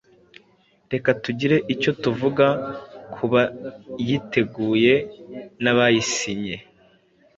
reka tugire icyo tuvuga ku bayiteguye n'abayisinye.